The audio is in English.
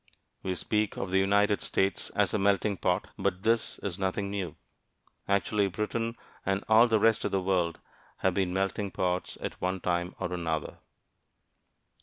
We speak of the United States as a "melting pot." But this is nothing new. Actually, Britain and all the rest of the world have been "melting pots" at one time or another.